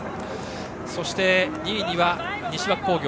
そして、２位には西脇工業。